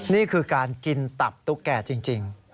นี่คือการกินตับตุ๊กแก่จริง